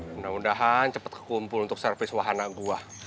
mudah mudahan cepat kekumpul untuk service wahana gua